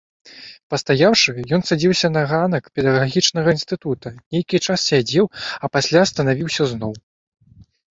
Пастаяўшы, ён садзіўся на ганак педагагічнага інстытута, нейкі час сядзеў, а пасля станавіўся зноў.